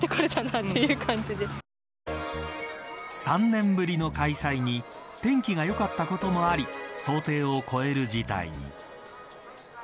３年ぶりの開催に天気がよかったこともあり想定を超える事態に。